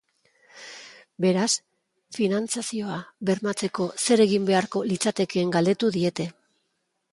Beraz, finantzazioa bermatzeko zer egin beharko litzatekeen galdetu diete.